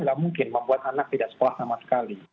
tidak mungkin membuat anak tidak sekolah sama sekali